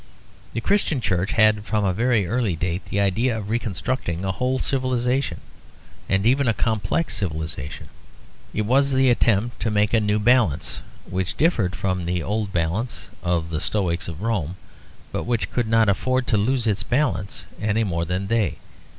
The Christian Church had from a very early date the idea of reconstructing a whole civilisation, and even a complex civilisation. It was the attempt to make a new balance, which differed from the old balance of the stoics of Rome; but which could not afford to lose its balance any more than they.